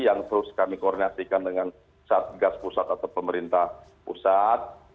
yang terus kami koordinasikan dengan satgas pusat atau pemerintah pusat